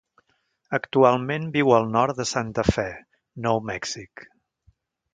Actualment viu al Nord de Santa Fe, Nou Mèxic.